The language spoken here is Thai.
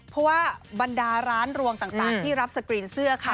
เพราะว่าบรรดาร้านรวงต่างที่รับสกรีนเสื้อค่ะ